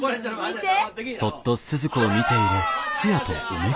見て！